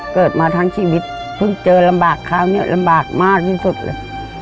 เกิดมาทั้งชีวิตเพิ่งเจอลำบากคราวนี้ลำบากมากที่สุดเลย